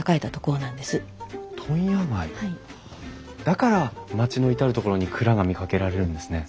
だから町の至る所に蔵が見かけられるんですね。